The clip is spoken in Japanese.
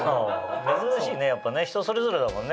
珍しいねやっぱね人それぞれだもんね。